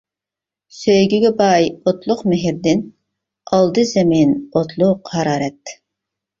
سۆيگۈگە باي ئوتلۇق مېھرىدىن، ئالدى زېمىن ئوتلۇق ھارارەت.